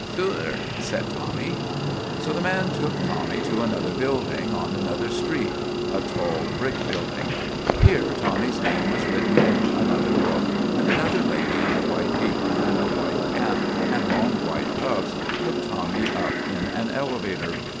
" Thure," said Tommy. So the man took Tommy to another building on another street a tall brick building. Here Tommy's name was written in another book and an other lady in a white apron and a white cap and long white cuffs took Tommy up in an elevator.